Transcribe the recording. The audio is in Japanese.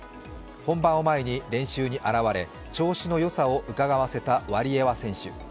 本番を前に練習に現れ調子の良さをうかがわせたワリエワ選手。